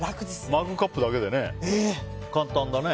マグカップだけだよね。